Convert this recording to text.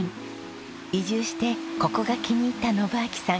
移住してここが気に入った信秋さん